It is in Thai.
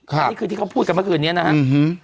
อันนี้คือที่เขาพูดกันเมื่อคืนนี้นะครับ